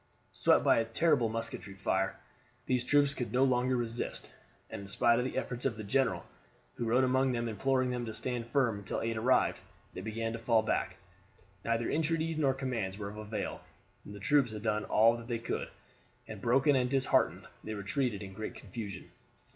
Swept by a terrible musketry fire, these troops could no longer resist, and in spite of the efforts of their general, who rode among them imploring them to stand firm until aid arrived, they began to fall back. Neither entreaties nor commands were of avail; the troops had done all that they could, and broken and disheartened they retreated in great confusion.